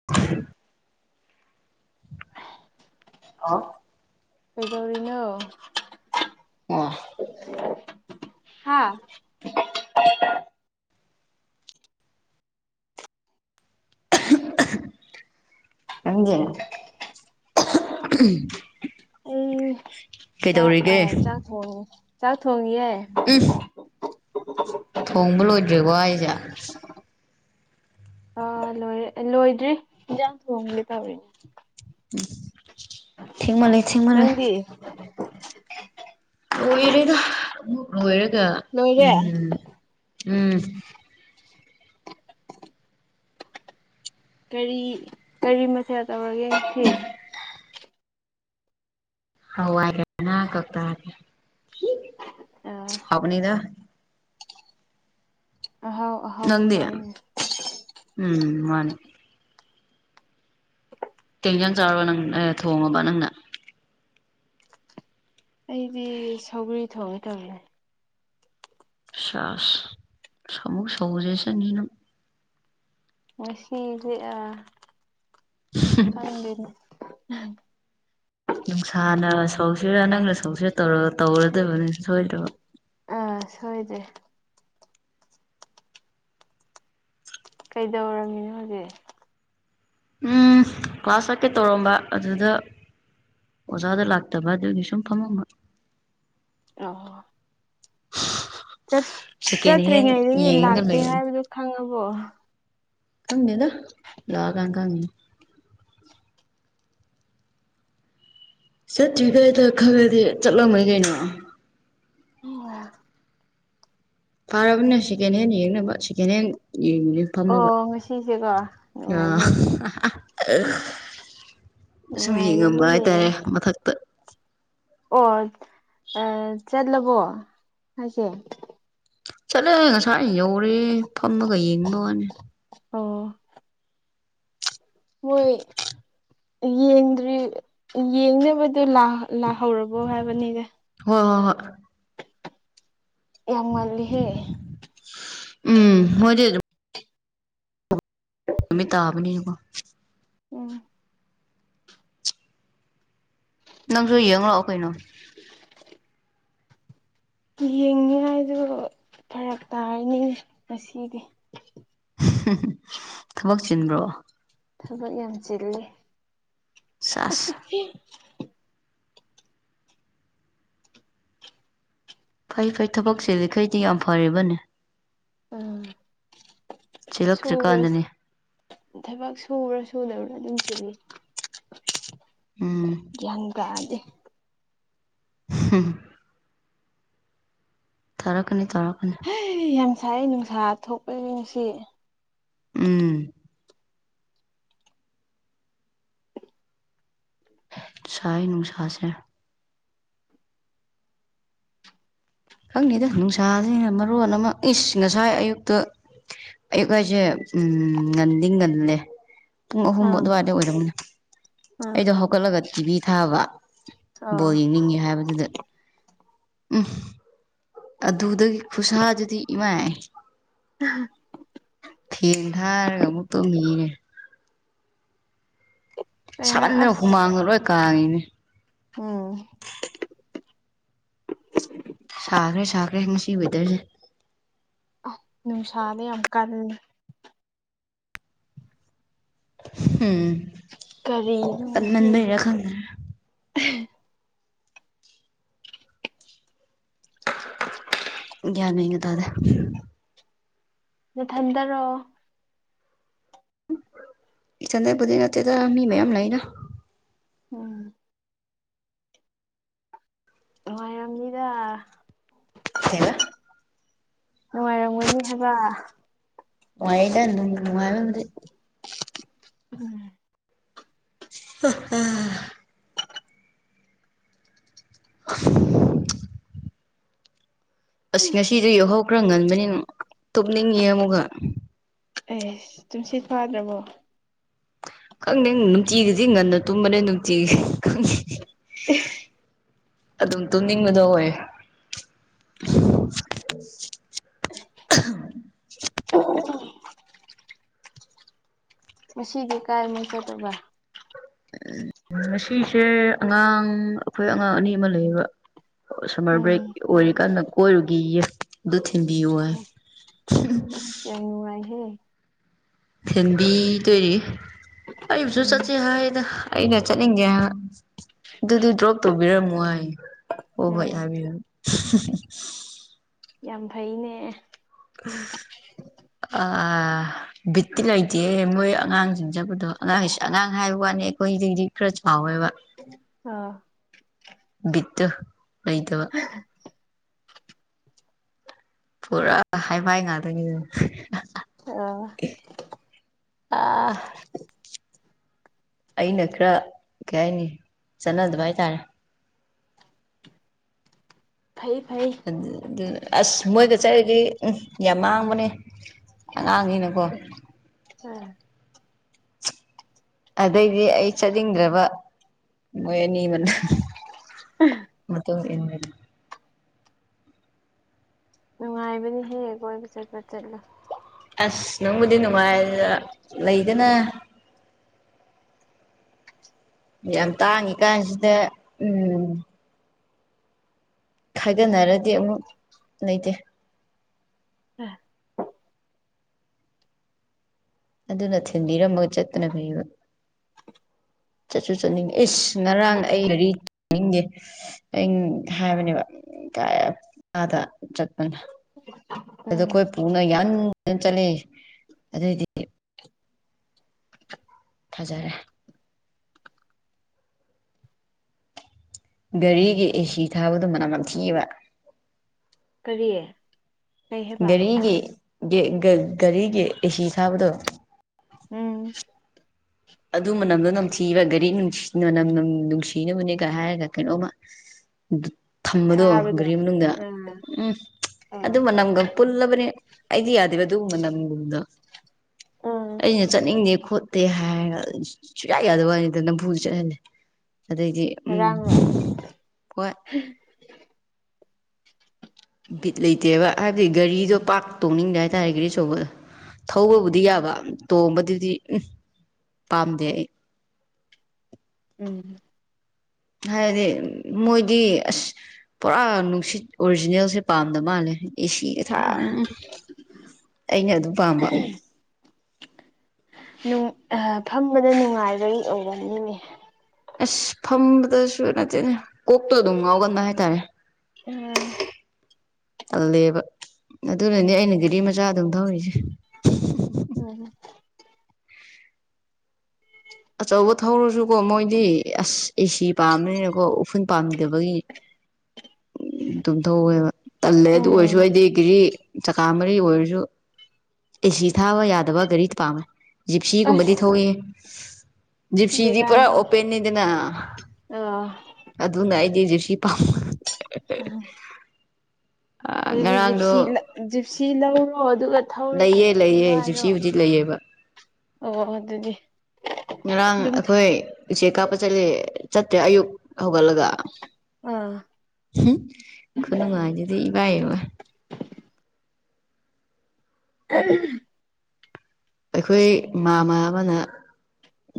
[unintelligible] ꯀꯩꯗꯧꯔꯤꯅꯣ ꯋꯥ ꯍꯥꯥ [unintelligible] ꯑꯪꯗꯤ [unintelligible] ꯑ ꯆꯥꯛ ꯑ ꯆꯥꯛ ꯊꯣꯡꯉꯤ ꯆꯥꯛ ꯊꯣꯡꯉꯤ ꯌꯦ [unintelligible] ꯊꯣꯡꯕ ꯂꯣꯏꯗ꯭ꯔꯤꯕꯣ ꯍꯥꯏꯁꯦ ꯑꯥ ꯂꯣꯏꯔꯦ ꯂꯣꯏꯗ꯭ꯔꯤ ꯌꯦꯟꯁꯥꯡ ꯊꯣꯡꯒꯦ ꯇꯧꯔꯤꯅꯦ ꯎꯝ ꯊꯦꯡꯃꯜꯂꯦ ꯊꯦꯡꯃꯜꯂꯦ ꯅꯪꯗꯤ ꯂꯣꯏꯔꯦꯗ ꯑꯃꯨꯛ ꯂꯣꯏꯔꯒ ꯂꯣꯏꯔꯦ ꯎꯝ ꯎꯝ ꯀꯔꯤ ꯀꯔꯤ ꯃꯊꯦꯜ ꯇꯧꯔꯒꯦ ꯉꯁꯤ [unintelligible] ꯑ ꯐꯕꯅꯤꯗ ꯑꯍꯥꯎ ꯑꯍꯥꯎꯕ ꯅꯗꯤꯤ ꯆꯥꯏꯅꯦ ꯎꯝ ꯃꯥꯅꯦ ꯇꯦꯡꯖꯪ ꯆ ꯆꯥꯎꯔꯒ ꯅꯪ ꯊꯣꯡꯉꯕ ꯅꯪꯅ ꯑꯩꯗꯤ ꯁꯧꯒꯔꯤ ꯊꯣꯡꯉ ꯇꯧꯅꯦ ꯄꯁꯁ ꯑꯃꯨꯛ ꯁꯧꯖꯦꯁꯅꯤꯅ ꯉ ꯁꯤꯁꯦ ꯑ ꯈꯪꯗꯣꯏꯅꯦ ꯅꯨꯡꯁꯥꯅ ꯁꯧꯁꯤꯔꯥ ꯅꯪꯅ ꯁꯧꯁꯤꯔꯥ ꯇꯧꯔ ꯇꯧꯔꯗꯕꯅꯤ ꯁꯣꯏꯗꯕ ꯑꯥ ꯁꯣꯏꯗꯦ ꯀꯩꯗꯧꯔꯝꯃꯤꯅꯣ ꯍꯧꯖꯤꯛ ꯎꯝ ꯀ꯭ꯂꯥꯁ ꯈꯀꯩ ꯇꯧꯔꯝꯕ ꯑꯗꯨꯗ ꯑꯣꯖꯥꯗ ꯂꯥꯛꯇꯕ ꯑꯗꯨꯒꯤ ꯁꯨꯝ ꯐꯝꯃꯝꯕ ꯑꯣ ꯁꯦꯀꯦꯟ ꯍꯦꯟ ꯆꯠꯇ꯭ꯔꯤꯉꯩꯗꯒꯤ ꯌꯦꯡꯉꯒ ꯂꯥꯛꯇꯦ ꯂꯩ ꯍꯥꯏꯕꯗꯨꯣ ꯈꯪꯉꯕꯣ ꯈꯪꯅꯤꯗ ꯂꯒꯥꯡ ꯈꯪꯅꯤ ꯆꯠꯇ꯭ꯔꯤ ꯀꯩꯗ ꯈꯔ ꯈꯗꯤ ꯆꯠꯂꯝꯕꯣꯏ ꯀꯩꯅꯣ ꯎꯝ ꯄꯥꯔꯕꯨ ꯅ ꯁꯦꯀꯦꯟ ꯍꯦꯟ ꯍꯡꯅ ꯁꯦꯀꯦꯟ ꯍꯦꯟꯡ ꯍꯡꯣ ꯐꯝꯃꯅꯕ ꯑꯣ ꯉꯁꯤꯁꯦꯀꯣ ꯑ ꯅꯨꯡꯉꯥꯏꯅꯦ ꯁꯨꯝ ꯌꯦ ꯉꯝꯕ ꯅꯨꯡꯉꯥꯏꯒꯅꯤ ꯍꯥꯏꯇꯥꯔꯦ ꯃꯊꯛ ꯑꯣ ꯆꯠꯂꯕꯣ ꯍꯥꯏꯁꯦ ꯆꯠꯂꯦ ꯉꯁꯥꯏ ꯌꯧꯔꯦ ꯐꯝꯃꯒ ꯌꯦꯡꯕ ꯋꯥꯅꯤ ꯑꯣ ꯍꯏ ꯌꯦꯡꯗ꯭ꯔꯤ ꯌꯦꯡꯅꯕꯗ ꯂꯥꯛꯍꯧꯔꯕꯣ ꯍꯥꯏꯕꯅꯤꯒ ꯍꯣꯏ ꯍꯣꯏ ꯍꯣꯏ ꯌꯥꯝ ꯉꯜꯂꯤꯍꯦ ꯎꯝ ꯑꯣꯏꯗꯗ ꯎꯃꯤ ꯇꯥꯕꯅꯤ ꯑꯣꯝ ꯅꯪꯁꯨ ꯌꯦꯡꯂꯛꯑꯣ ꯀꯩꯅꯣ ꯌꯦꯡꯅꯤꯉꯥꯏꯗꯨ ꯐꯔꯛ ꯇꯥꯔꯅꯤ ꯉꯁꯤꯗꯤ ꯊꯕꯛ ꯆꯤꯟꯕ꯭ꯔꯣ ꯊꯕꯛ ꯌꯥꯝ ꯆꯤꯜꯂꯦ ꯁꯥꯁ ꯐꯩ ꯐꯩ ꯊꯕꯛꯁꯦ ꯂꯩꯈꯩꯗꯤ ꯌꯥꯝ ꯐꯦꯕꯅꯦ ꯑꯥ ꯁꯨꯕ꯭ꯔꯁꯤ ꯆꯤꯜꯂꯛꯇ꯭ꯔꯤꯀꯥꯟꯗꯅꯦ ꯊꯕꯛ ꯁꯨꯕ꯭ꯔꯥ ꯁꯨꯗꯕ꯭ꯔꯥ ꯑꯗꯨꯝ ꯆꯤꯜꯂꯤ ꯎꯝ ꯒ꯭ꯌꯥꯟ ꯀꯥꯗꯦ ꯍ ꯊꯥꯔꯛꯀꯅꯤ ꯇꯥꯔꯛꯀꯅꯤ ꯑꯩ ꯌꯥꯝ ꯁꯥꯏ ꯅꯨꯡꯁꯥ ꯊꯣꯛꯄ ꯅꯨꯡꯁꯤ ꯎꯝ [inaudible] ꯁꯥꯥꯥꯏ ꯅꯨꯡꯁꯥꯁꯦ ꯈꯪꯅꯤꯗ ꯅꯨꯡꯁꯥꯁꯤꯅ ꯃꯔꯣꯟ ꯑꯃ ꯏꯁ ꯉꯁꯥꯏ ꯑꯌꯨꯛꯇ ꯌꯨꯒꯁꯦ ꯎꯝ ꯉꯟꯗꯤ ꯉꯟꯂꯦ ꯄꯨꯡ ꯑꯍꯨꯝ ꯑꯥ ꯑꯗꯨꯋꯥꯏꯗ ꯑꯣꯏꯔꯕꯅꯦ ꯑꯥ ꯑꯩꯗꯣ ꯍꯧꯒꯠꯂꯒ ꯇꯤꯚꯤ ꯊꯥꯕ ꯑꯣ ꯕꯣꯜ ꯌꯦꯡꯅꯤꯡꯉꯦ ꯍꯥꯏꯕꯗꯨꯗ ꯎꯝ ꯑꯗꯨꯗꯒꯤ ꯈꯨꯁꯥꯗꯨꯗꯤ ꯏꯃꯥꯏ ꯎ ꯊꯦꯡ ꯊꯥꯔꯒ ꯑꯃꯨꯛ ꯇꯣ ꯃꯤꯔꯦ ꯀꯩꯅꯣ ꯁꯥꯃꯟꯗꯅ ꯑꯁ ꯍꯨꯃꯥꯡꯗ ꯂꯣꯏ ꯀꯥꯉꯤꯅꯦ ꯎꯝ ꯁꯥꯈ꯭ꯔꯦ ꯁꯥꯈ꯭ꯔꯦ ꯉꯁꯤ ꯋꯦꯗꯔꯁꯦ ꯅꯨꯡꯁꯥꯗ ꯌꯥꯝ ꯀꯜ ꯎꯝ ꯀꯔꯤꯅꯣ ꯉꯁꯤ ꯍꯧꯁꯦ ꯀꯟꯃꯟꯕꯩꯔꯥ ꯈꯪꯗꯦ ꯒ꯭ꯌꯥꯟꯒ ꯇꯥꯗꯦ ꯅꯊꯟꯗꯔꯣ ꯏꯊꯟꯗꯩꯕꯨꯗꯤ ꯅꯠꯇꯦꯗ ꯃꯤ ꯃꯌꯥꯝ ꯂꯩꯗ ꯎꯝ ꯅꯨꯡꯉꯥꯏꯔꯝꯅꯤꯗ ꯀꯩꯕ ꯅꯨꯡꯉꯥꯏꯔꯝꯒꯅꯤ ꯍꯥꯏꯕ ꯋꯥꯅꯨꯡꯥꯏꯗ ꯃꯅꯨꯡꯉꯥꯏꯗꯤ ꯎꯝ [unintelligible] [unintelligible] ꯑꯁ ꯉꯁꯤꯁꯨ ꯌꯧꯍꯧꯈ꯭ꯔ ꯉꯟꯕꯅꯤꯅ ꯇꯨꯞꯅꯤꯡꯉꯤ ꯑꯃꯨꯛꯀ ꯑꯦꯁ ꯇꯨꯝꯁꯤꯠ ꯐꯥꯗ꯭ꯔꯕꯣ ꯈꯪꯗꯦ ꯅꯨꯡꯇꯤꯒꯤꯗꯤ ꯉꯟꯅ ꯇꯨꯝꯕꯅꯦ ꯅꯨꯡꯇꯤꯒꯤ ꯈꯪꯉꯦ ꯑꯗꯨꯝ ꯇꯨꯝꯅꯤꯡꯕꯗꯣ ꯑꯣꯏ ꯉꯁꯤꯗꯤ ꯀꯥꯏꯃꯣ ꯆꯗꯕ ꯎꯝ ꯉꯁꯤꯁꯦ ꯑꯉꯥꯡ ꯑꯩꯈꯣꯏ ꯑꯉꯥꯡ ꯑꯅꯤ ꯑꯃ ꯂꯩꯌꯦꯕ ꯁꯝꯃꯔ ꯕ꯭ꯔꯦꯛ ꯎꯝ ꯑꯣꯏꯔꯤꯀꯥꯟꯗ ꯀꯣꯏꯔꯨꯒꯤꯒꯦ ꯕꯨꯊꯤꯟꯕꯤꯌꯣ ꯍꯥꯏ ꯍꯦ ꯅꯨꯉꯥꯏꯍ ꯊꯦꯟꯕꯤꯗꯣꯏꯔꯤ ꯑꯩꯕꯨꯁꯨ ꯎꯝ ꯆꯠꯁꯦ ꯍꯥꯏꯅ ꯑꯩꯅ ꯆꯠꯅꯤꯡꯒꯦ ꯑꯗꯨꯗꯤ ꯗ꯭ꯔꯣꯞ ꯇꯧꯕꯤꯔꯝꯃꯣ ꯍꯥꯏ ꯑꯣ ꯍꯣꯏ ꯍꯥꯏ ꯎꯝ ꯍꯥꯏ ꯍꯥꯏꯕꯤꯕ ꯌꯥꯝ ꯐꯩꯅꯦ ꯑꯥ ꯕꯤꯠꯇꯤ ꯂꯩꯇꯦ ꯃꯣꯏ ꯑꯉꯥꯡꯁꯤꯡꯖꯕꯗꯣ ꯑꯉꯥꯡ ꯑꯉꯥꯡ ꯍꯥꯏꯕ ꯋꯥꯅꯤ ꯑꯩꯈꯣꯏꯗꯩꯗꯤ ꯈꯔ ꯁꯥꯑꯣꯏꯕ ꯑꯥ ꯕꯤꯠꯇꯣ ꯂꯩꯇꯕ [unintelligible] ꯄꯨꯔꯥ ꯍꯥꯏꯐꯥꯏ ꯉꯥꯛꯇꯅꯤꯗ ꯑꯥ ꯑꯥ ꯑꯩꯅ ꯈꯔ ꯀꯩ ꯍꯥꯏꯅꯤ ꯆꯠꯅꯗꯕ ꯍꯥꯏꯇꯥꯔꯦ ꯐꯩ ꯐꯩ ꯑꯁ ꯃꯣꯏꯒ ꯆꯠꯔꯤꯁꯦ ꯎ ꯌꯥꯝ ꯃꯥꯡꯕꯅꯦ ꯑꯉꯥꯡꯅꯤꯅꯀꯣ ꯎꯝ ꯑꯗꯩꯗꯤ ꯑꯩ ꯆꯠꯅꯤꯡꯗ꯭ꯔꯕ ꯃꯣꯏ ꯑꯅꯤ ꯃꯅ [unintelligible] ꯅꯨꯡꯉꯥꯏꯕꯅꯤ ꯍꯦꯛ ꯀꯣꯏꯕ ꯆꯠꯄ ꯆꯠꯂꯣ ꯑꯁ ꯅꯪꯕꯨꯗꯤ ꯅꯨꯡꯉꯥꯏ ꯂꯩꯗꯅ ꯌꯥꯝ ꯇꯥꯡꯉꯤ ꯀꯥꯟꯁꯤꯗ ꯎꯝ ꯈꯥꯏꯒꯅꯔꯗꯤ ꯑꯃꯨꯛ ꯂꯩꯇꯦ ꯑꯥ ꯑꯗꯨꯅ ꯊꯤꯟꯕꯤꯔꯝꯃꯒ ꯆꯠꯇꯅ ꯐꯩꯕ ꯆꯠꯁꯨ ꯆꯠꯅꯤꯡꯉꯦ ꯏꯁ ꯉꯔꯥꯡ ꯑꯩ ꯔꯤ ꯆꯠꯅꯤꯡꯗꯦ ꯑꯥ ꯍꯥꯏꯕꯅꯦꯕ ꯑꯥꯗ ꯆꯠꯄꯅ [inaudible] ꯑꯗ ꯑꯩꯈꯣꯏ ꯄꯨꯅ ꯌꯥꯟꯅ ꯆꯠꯂꯦ ꯑꯗꯨꯑꯣꯏꯗꯤ__ ꯐꯖꯔꯦ ꯒꯥꯔꯤꯒꯤ ꯑꯦꯁꯤ ꯊꯥꯕꯗꯣ ꯃꯅꯝ ꯅꯊꯤꯑꯕ ꯀꯔꯤꯌꯦ ꯒꯥꯔꯤꯒꯤ ꯒꯥꯔꯤꯒꯤ ꯑꯦꯁꯤ ꯊꯥꯕꯗꯣ__ ꯎꯝ ꯑꯗꯨ ꯃꯅꯝꯗꯣ ꯅꯝꯊꯤꯕ ꯒꯥꯔꯤꯅꯨꯡ ꯃꯅꯝ ꯅꯨꯡꯁꯤꯅꯕꯅꯦꯒ ꯍꯥꯏꯔꯒ ꯀꯩꯅꯣꯝꯃ__ ꯊꯝꯕꯗꯣ ꯊꯥꯕꯗꯣ ꯒꯥꯔꯤ ꯃꯅꯨꯡꯗ ꯑꯥ ꯎꯝ ꯑꯗꯨ ꯑꯥ ꯃꯅꯝꯒ__ ꯄꯨꯜꯂꯕꯅꯦ ꯑꯩꯗꯤ ꯌꯥꯗꯦꯕ ꯑꯗꯨꯒꯨꯝꯕ ꯅꯒꯨꯝꯕꯗ ꯎꯝ ꯑꯩꯅ ꯆꯠꯅꯤꯡꯗꯦ__ ꯑ ꯇꯦ ꯍꯥꯏꯔꯒ ꯁꯨꯡꯌꯥ ꯌꯥꯗꯕ ꯋꯥꯅꯤꯗ ꯅꯝꯐꯨ ꯆꯠꯍꯜꯂꯦ ꯑꯗꯩꯗꯤ__ ꯎꯝ ꯉꯔꯥꯡꯔꯣ ꯍꯣꯏ ꯫ ꯕꯤꯠ ꯂꯩꯇꯦꯕ ꯍꯥꯏꯕꯗꯤ ꯒꯥꯔꯤꯗꯣ ꯄꯥꯛꯔ ꯇꯧꯅꯤꯡꯗꯦ ꯍꯥꯏꯇꯥꯔꯦ ꯒꯥꯔꯤ ꯑꯆꯧꯕ ꯊꯧꯕꯕꯨꯗꯤ ꯌꯥꯕ ꯇꯣꯡꯕꯗꯨꯗꯤ ꯎꯝ ꯄꯥꯝꯗꯦ ꯑꯩ ꯎꯝ ꯍꯥꯏꯕꯗꯤ ꯃꯣꯏꯗꯤ ꯑꯁ__ ꯄꯨꯔꯥ ꯅꯨꯡꯁꯤꯠ ꯑꯣꯔꯤꯖꯤꯅꯦꯜꯁꯦ ꯄꯥꯝꯗ ꯃꯥꯜꯂꯦ ꯑꯦꯁꯤ__ ꯌꯦꯊꯥꯡ ꯑꯩꯅ ꯑꯗꯨꯝ ꯄꯥꯝꯕ꯫ ꯐꯝꯕꯗ ꯅꯨꯡꯉꯥꯏꯕꯩ ꯑꯣꯏꯒꯅꯤꯅꯦ꯫ ꯑꯁ ꯐꯝꯕꯗꯁꯨ ꯅꯠꯇꯦꯅ ꯀꯣꯛꯇꯣ ꯑꯗꯨꯝ ꯉꯥꯎꯒꯟꯕ ꯍꯥꯏꯇꯥꯔꯦ ꯎꯝ ꯆꯜꯂꯦꯕ ꯑꯗꯨꯅꯅꯦ ꯑꯩꯅ ꯒꯦꯔꯤ ꯃꯆꯥ ꯑꯗꯨꯝ ꯊꯧꯔꯤꯁꯦ ꯎꯝ ꯑꯆꯧꯕ ꯊꯧꯔꯁꯨꯀꯣ ꯃꯣꯏꯗꯤ ꯑꯁ ꯑꯦꯁꯤ꯫ ꯄꯥꯝꯃꯦꯣ ꯎꯐꯨꯜ ꯄꯥꯝꯗꯕꯒꯤ ꯇꯨꯝ ꯊꯧꯋꯦꯕ ꯇꯜꯂꯦ ꯑꯗꯨ ꯑꯣꯏꯔꯁꯨ ꯎꯝ ꯑꯩꯗꯤ ꯀꯦꯖꯤ ꯆꯀꯥ ꯃꯔꯤ ꯑꯣꯏꯔꯁꯨ ꯑꯦꯁꯤ ꯊꯥꯕ ꯌꯥꯗꯕ ꯒꯥꯔꯤ ꯄꯥꯝꯃꯦ ꯖꯤꯞꯁꯤꯒꯨꯝꯕꯗꯤ ꯑꯁ ꯊꯣꯛꯏ ꯞꯁꯤꯗꯤ ꯄꯨꯔ ꯑꯣ ꯄꯦꯅꯤꯗꯅ ꯑꯥ ꯑꯗꯨꯅ ꯑꯩꯗꯤꯦꯖꯦ ꯁꯤ ꯄꯥꯝ ꯑ ꯑꯗꯨꯗꯤ ꯉꯔꯥꯡꯗꯣ ꯖꯤꯞꯁꯤ ꯖꯤꯞꯁꯤ ꯂꯧꯔꯣ ꯑꯗꯨꯒ ꯊꯧꯔꯣ ꯂꯩꯑ ꯂꯩꯑ ꯋꯥꯔꯣ ꯁꯤꯕꯨꯨꯖꯤꯛ ꯂꯩꯑꯕ ꯑꯣ ꯑꯗꯨꯗꯤ ꯉꯔꯥꯡ ꯑꯗꯨꯝ ꯑꯩꯈꯣꯏ__ ꯏꯆꯦ ꯀꯥꯞꯄ ꯆꯠꯂꯦ ꯆꯠꯇ꯭ꯔꯦ ꯑꯌꯨꯛ ꯍꯧꯒꯠꯂꯒ ꯑꯥ ꯎꯝ ꯈꯨꯅꯨꯝꯉꯥ ꯑꯗꯨꯗꯤ ꯏꯕꯥꯏꯕ ꯎ ꯑꯩꯈꯣꯏꯃꯥꯃ ꯑꯃꯅ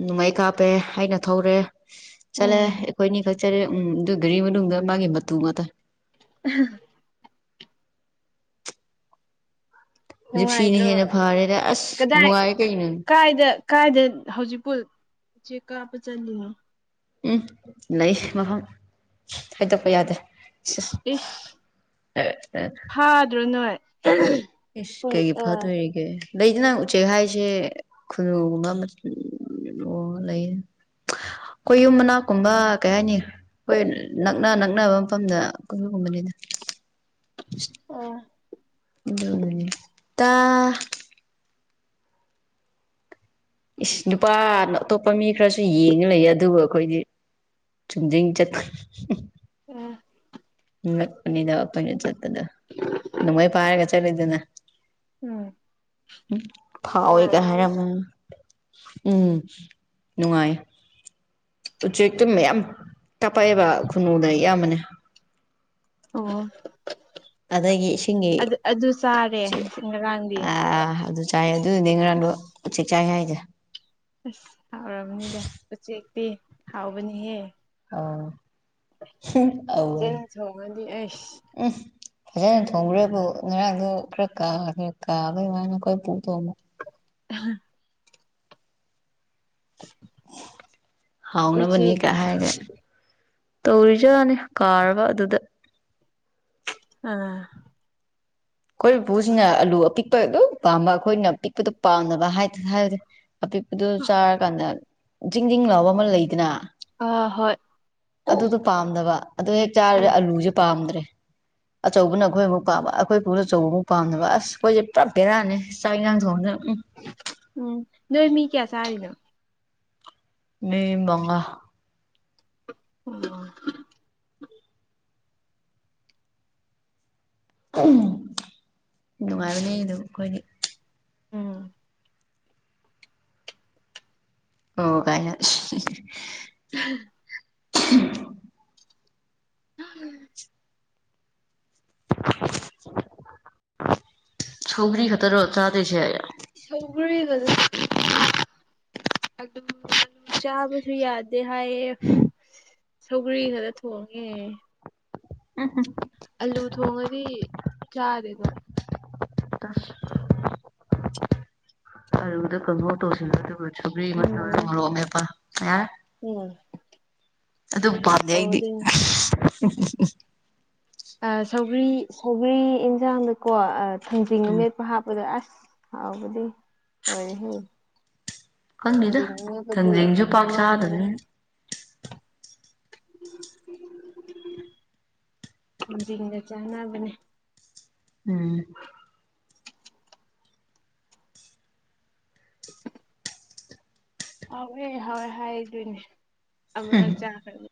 ꯅꯣꯡꯃꯥꯏ ꯀꯥꯞꯄꯦ ꯍꯥꯏꯅ ꯊꯧꯔꯦ ꯆꯠꯂꯦ ꯎꯝ ꯑꯩꯈꯣꯏꯅꯤ ꯈꯛ ꯆꯠꯦ ꯎꯝ ꯑꯗꯨ ꯘꯔꯤ ꯃꯅꯨꯡꯗ ꯃꯥꯒꯤ ꯃꯇꯨ ꯉꯥꯛꯇ [unintelligible] ꯖꯤꯞꯁꯤꯅ ꯅꯨꯡꯉꯥꯏꯇ꯭ꯔꯣ ꯍꯦꯟꯅ ꯐꯔꯦꯗ ꯑꯁ ꯀꯗꯥꯏ ꯅꯨꯡꯉꯥꯏ ꯀꯩꯅꯣ ꯀꯥꯏꯗ__ ꯀꯥꯏꯗ ꯍꯧꯖꯤꯛꯄꯨ ꯎꯆꯦꯛ ꯀꯥꯞꯄ ꯆꯂꯤꯅꯣ꯫ ꯎꯝ ꯂꯩ ꯃꯐꯝ ꯍꯥꯏꯗꯣꯛꯄ ꯌꯥꯗꯦ ꯏꯁ ꯏꯁ ꯐꯥꯗ꯭ꯔꯣ ꯅꯣꯏ ꯏꯁ ꯀꯩꯒꯤ ꯑꯥ ꯐꯠꯇꯣꯏꯔꯤꯒꯦ ꯂꯩꯗ ꯎꯆꯦꯛ ꯍꯥꯏꯁꯦ ꯈꯨꯅꯨꯨꯒꯨꯝꯕ ꯑꯣ ꯂꯩꯌꯦ ꯑꯩꯈꯣꯏ ꯌꯨꯝ ꯃꯅꯥꯛꯀꯨꯝꯕ ꯀꯩ ꯍꯥꯏꯅꯤ ꯍꯣꯏ ꯅꯛꯅ ꯅꯛꯅꯕ ꯃꯐꯝꯗ ꯑꯒꯨꯝꯕꯅꯤꯗ ꯑꯥ ꯑꯗꯨꯒꯤꯅꯤꯇꯥ ꯏꯁ ꯅꯨꯄꯥꯅ ꯑꯇꯣꯞꯄ ꯃꯤ ꯈꯔꯁꯨ ꯌꯦꯡꯉ ꯂꯩꯌꯦ ꯑꯗꯨꯕꯨ ꯑꯩꯈꯣꯏꯗꯤ ꯆꯨꯝꯗꯔꯤꯡ ꯆꯠꯄ ꯎꯝ ꯉꯛꯄꯅꯤꯗ ꯑꯩꯈꯣꯏꯅ ꯆꯠꯄꯗꯣ ꯅꯣꯡꯃꯩ ꯄꯥꯏꯔꯒ ꯆꯠꯂꯤꯗꯅ ꯎꯝ ꯐꯥꯎꯋꯦꯒ ꯅꯨꯡꯉꯥꯏꯔꯝꯅꯤ ꯍꯥꯏꯔꯝꯃꯅꯤ ꯎꯝ ꯅꯨꯡꯉꯥꯏ ꯎꯆꯦꯛꯇꯨ ꯃꯌꯥꯝ ꯇꯄꯥꯏꯑꯕ ꯈꯨꯅꯨꯗ ꯑꯌꯥꯝꯕꯅꯦ ꯑꯣ ꯑꯗꯒꯤ ꯏꯁꯤꯡꯒꯤ ꯑꯗꯨ ꯑꯗꯨ ꯆꯥꯔꯦ ꯉꯔꯥꯡꯗꯤ ꯑꯥ ꯑꯗꯨ ꯆꯥꯏ ꯑꯗꯨꯗꯨꯅꯦ ꯉꯔꯥꯡꯗꯣ ꯑꯁ ꯎꯆꯦꯛ ꯆꯥꯏ ꯍꯥꯏꯁꯦ ꯑꯁ ꯍꯥꯎꯔꯕꯅꯤꯗ ꯎꯆꯦꯛꯇꯤ ꯍꯥꯎꯕꯅꯤꯍꯦ ꯑꯧ ꯑꯧ ꯆꯤꯟ ꯊꯣꯡꯉꯥꯗꯤ ꯑꯥꯏꯁ ꯎꯝ ꯐꯖꯅ ꯊꯣꯡꯕ꯭ꯔꯥꯕꯨ ꯉꯔꯥꯡꯗꯣ ꯈꯔ ꯀꯥ ꯈꯔ ꯀꯥꯕꯩ ꯋꯥꯅꯤ ꯑꯩꯈꯣꯏ ꯄꯨ ꯊꯣꯡꯕ [unintelligible] ꯎꯆꯦꯛ ꯍꯥꯎꯅꯕꯅꯤꯀꯥ ꯍꯥꯏꯔꯒ ꯇꯧꯔꯤꯖꯥꯠꯅꯤ ꯀꯥꯔꯕ ꯑꯗꯨꯗ ꯎꯝ ꯑꯩꯈꯣꯏ ꯎꯄꯨꯁꯤꯅ ꯑꯂꯨ ꯑꯄꯤꯛꯄ ꯑꯗꯨꯝ ꯄꯥꯝꯕ ꯑꯩꯈꯣꯏꯅ ꯑꯄꯤꯛꯄꯗꯣ ꯄꯥꯝꯅꯕ ꯍꯥꯏꯇꯥꯔꯦ ꯍꯥꯏꯕꯗꯤ ꯑꯄꯤꯛꯄꯗꯨ ꯆꯥꯔꯀꯥꯟꯗ ꯖꯤꯡ ꯖꯤꯡꯡ ꯂꯥꯎꯕ ꯑꯃ ꯂꯩꯗꯅ ꯑꯥ ꯍꯣꯏ ꯑꯗꯨꯗꯣ ꯄꯥꯝꯗꯕ ꯑꯗꯨ ꯍꯦꯛ ꯎꯝ ꯆꯥꯔꯗꯤ ꯑꯂꯨꯖꯦ ꯄꯥꯝꯗ꯭ꯔꯦ ꯑꯆꯧꯕꯅ ꯑꯩꯈꯣꯏ ꯑꯃꯨꯛ ꯄꯥꯝꯕ ꯑꯩꯈꯣꯏ ꯄꯨꯅ ꯑꯆꯧꯕ ꯑꯃꯨꯛ ꯄꯥꯝꯗꯕ ꯑꯁ ꯑꯩꯈꯣꯏꯖꯦ ꯄꯨꯔꯥ ꯕꯦꯔꯥꯅꯤ ꯆꯥꯛ ꯏꯟꯖꯥꯡ ꯊꯣꯡꯅ ꯎꯝ ꯎꯝ ꯅꯣꯏ ꯃꯤ ꯀꯌꯥ ꯆꯥꯔꯤꯅꯣ ꯃꯤ ꯃꯉꯥ ꯎꯝ ꯅꯨꯡꯉꯥꯏꯕꯅꯤ ꯑꯗꯨꯝ ꯑꯩꯈꯣꯏꯒꯤ ꯎꯝ ꯑꯣ ꯀꯥꯏꯅ [unintelligible] [unintelligible] ꯁꯧꯒ꯭ꯔꯤ ꯈꯛꯇꯔꯣ ꯆꯥꯗꯣꯏꯁꯦ ꯁꯧꯒ꯭ꯔꯤ ꯈꯇꯥꯅꯤ ꯑꯗꯨꯝ ꯆꯥꯕꯁꯨ ꯌꯥꯗꯦ ꯍꯥꯏꯌꯦ ꯁꯧꯒ꯭ꯔꯤ ꯈꯔ ꯊꯣꯡꯉꯦ [unintelligible] ꯑꯂꯨ ꯊꯣꯡꯉꯗꯤ ꯆꯥꯗꯦꯕ ꯇꯁ ꯑꯂꯨꯗ ꯀꯥꯡꯍꯧ ꯇꯣꯁꯤꯜꯂ ꯑꯗꯨꯒ ꯁꯧꯒ꯭ꯔꯤ ꯃꯥ ꯎꯝ ꯃꯣꯔꯣꯛ ꯑꯃꯦꯠꯄ ꯌꯥꯔꯦ ꯎꯝ ꯑꯗꯨ ꯄꯥꯝꯗꯦ ꯑꯩꯗꯤ ꯇꯧꯗꯣꯏꯅꯤ ꯁꯧꯒ꯭ꯔꯤ ꯁꯧꯒ꯭ꯔꯤ ꯑꯦꯟꯖꯥꯡꯗꯀꯣ ꯊꯥꯡꯖꯤꯡ ꯑꯃ ꯃꯦꯠꯄ ꯍꯥꯞꯄꯗ ꯑꯁ ꯍꯥꯎꯕꯗꯤ ꯂꯣꯏꯔꯦꯍꯦ ꯈꯪꯗꯦꯗ ꯊꯥꯡꯖꯤꯡ ꯃꯦꯠꯄꯗꯤ ꯊꯥꯡꯖꯤꯡꯁꯨ ꯄꯥꯛ ꯆꯥꯅꯗꯦꯍꯦ ꯆꯥꯗꯕꯅꯤꯅ ꯊꯥꯡꯖꯤꯡꯒ ꯆꯥꯅꯕꯅꯦ ꯎꯝ ꯎ ꯑꯋꯦ ꯍꯦ ꯍꯥꯏꯗꯣꯏꯅꯦ ꯍꯨꯝ ꯑꯨꯔꯛ ꯆꯥꯈꯅꯤ